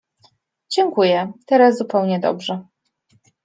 — Dziękuję, teraz zupełnie dobrze.